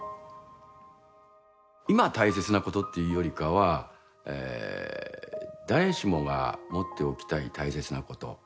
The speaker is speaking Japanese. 今大切なことっていうよりかは誰しもが持っておきたい大切なこと。